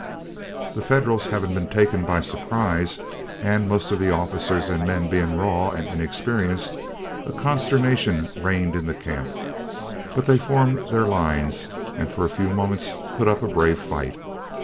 The Federals having been taken by surprise and most of the officers and men being raw and inexperienced, consternation reigned in the camp. But they formed their lines, and for a few moments put up a brave fight.